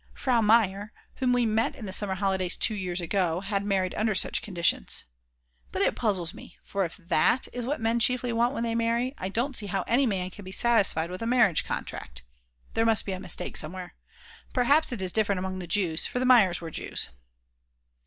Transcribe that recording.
Frau Mayer, whom we met in the summer holidays two years ago, had married under such conditions. But it puzzles me, for if that is what men chiefly want when they marry, I don't see how any man can be satisfied with a marriage contract. There must be a mistake somewhere. Perhaps it is different among the Jews, for the Mayers were Jews.